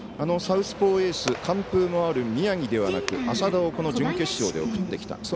サウスポーエース完封のある宮城ではなく浅田を準決勝で送ってきた。